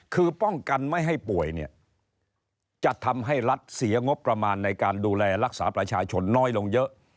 คือป้องกันไม่ให้ป่วยเนี่ยจะทำให้รัฐเสียงบประมาณในการดูแลรักษาประชาชนน้อยลงเยอะ